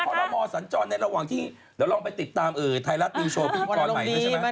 ก็ทำใจแล้วนี่โชว์ชมพิกษ์พีคคลอดใหม่ใช่ไหม